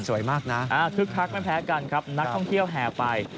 สวยมากนะคึกคักไม่แพ้กันครับนักท่องเที่ยวแห่ไป